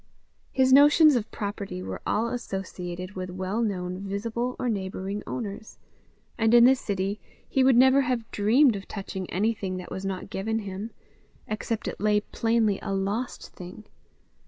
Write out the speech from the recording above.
His notions of property were all associated with well known visible or neighbouring owners, and in the city he would never have dreamed of touching anything that was not given him, except it lay plainly a lost thing.